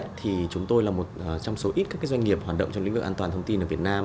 thì chúng tôi là một trong số ít các doanh nghiệp hoạt động trong lĩnh vực an toàn thông tin ở việt nam